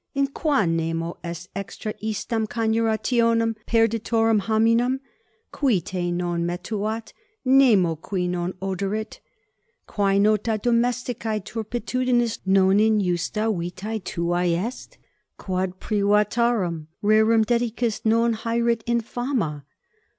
in qua nemo est extra istam coniurationem perditorum hominum, qui te non metuat, nemo, qui non oderit. Quae nota domesticae turpitudinis non inusta vitae tuae est? quod privatarum rerum dedecus non haeret in fama?